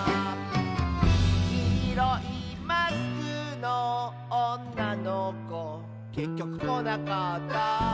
「きいろいマスクのおんなのこ」「けっきょくこなかった」